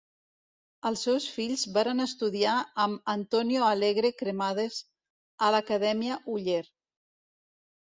Els seus fills varen estudiar amb Antonio Alegre Cremades a l'Acadèmia Oller.